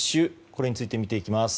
これについて見ていきます。